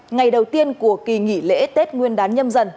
ngày đầu tiên của kỳ nghỉ lễ tết nguyên đán nhâm dần